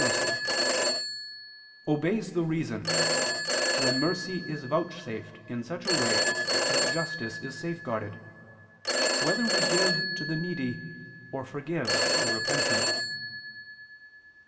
mercy) "obeys the reason, when mercy is vouchsafed in such a way that justice is safeguarded, whether we give to the needy or forgive the repentant."